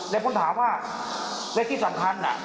แล้วผมถามว่าและที่สำคัญ